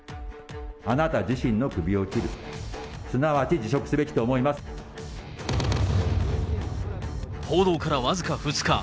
あなた自身のクビを切る、報道から僅か２日。